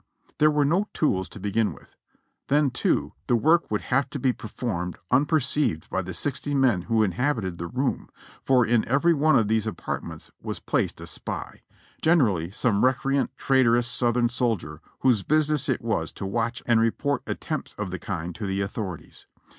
There were no tools to begin with ; then, too, the work would have to be performed un perceived by the sixty men who inhabited the room, for in every one of these apartments was placed a spy, generally some recreant, traitorous Southern soldier, whose business it was to watch and report attempts of the kind to the authorities.